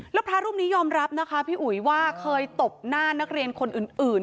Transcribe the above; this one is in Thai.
แล้วพระรูปนี้ยอมรับนะคะพี่อุ๋ยว่าเคยตบหน้านักเรียนคนอื่น